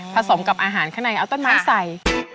สมกับอาหารข้างในเอาต้นไม้ใส่